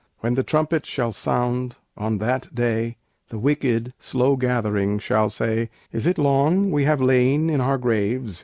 When the trumpet shall sound, On that day, The wicked, slow gathering, Shall say, "Is it long we have lain in our graves?